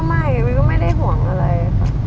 ไม่วิก็ไม่ได้ห่วงอะไรค่ะ